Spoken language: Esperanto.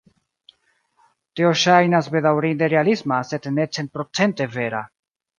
Tio ŝajnas bedaŭrinde realisma, sed ne centprocente vera.